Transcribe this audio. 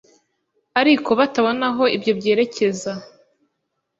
ariko batabona aho ibyo byerekeza.